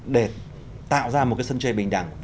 để tạo ra một sân chơi bình đẳng